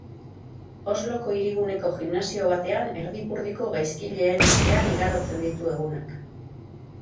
Osloko hiriguneko gimnasio batean erdipurdiko gaizkileen artean igarotzen ditu egunak.